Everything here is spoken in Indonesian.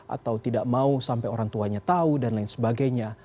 atau tidak mau sampai orang tuanya tahu dan lain sebagainya